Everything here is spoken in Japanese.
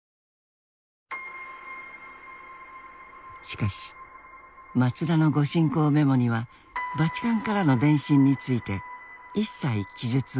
しかし松田の御進講メモにはバチカンからの電信について一切記述がない。